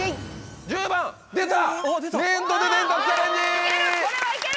１０番出た！